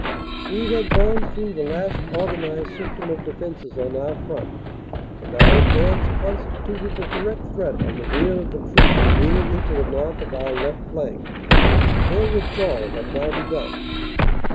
"We had gone through the last organized system of de fenses on our front, and our advance constituted a direct threat on the rear of the troops immediately to the north of our left flank, and their withdrawal had now begun.